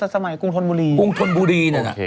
สมัยกรุงธรรบุรี